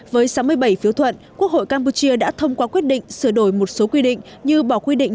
với sáu mươi bảy phiếu thuận quốc hội campuchia đã thông qua quyết định sửa đổi một số quy định như bỏ quy định